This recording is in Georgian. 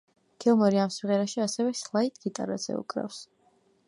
გილმორი ამ სიმღერაში ასევე სლაიდ გიტარაზე უკრავს.